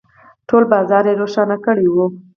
، ټول بازار يې روښانه کړی و.